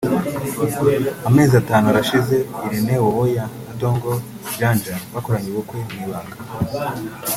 Amezi atanu arashize Irene Uwoya na Dogo Janja bakoranye ubukwe mu ibanga